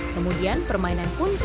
kemudian permainan pun berakhir